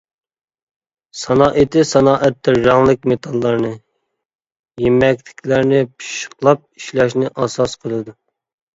سانائىتى سانائەتتە رەڭلىك مېتاللارنى، يېمەكلىكلەرنى پىششىقلاپ ئىشلەشنى ئاساس قىلىدۇ.